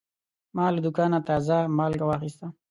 ما له دوکانه تازه مالګه واخیسته.